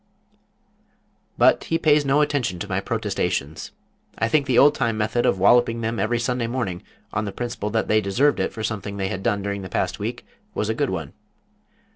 ... but he pays no attention to my protestations. I think the oldtime method of walloping them every Sunday morning, on the principle that they deserved it for something they had done during the past week, was a good one.